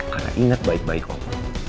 karena inget baik baik om